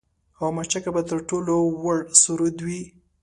او مچکه به تر ټولو وُړ سرود وي